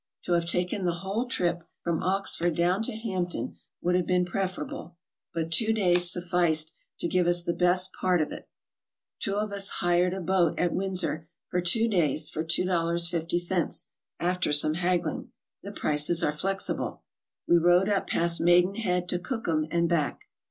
To have taken the whole trip from Oxford down to Hampton would have been preferable, but two days sufficed to give us the best part of it. Two of us hired a boat at Windsor for two days for $2.50, after some haggling; the prices are flexible. We rowed up past Maidenhead to Co okham and back.